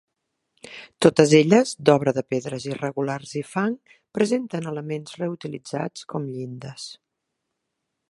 Totes elles, d'obra de pedres irregulars i fang, presenten elements reutilitzats, com llindes.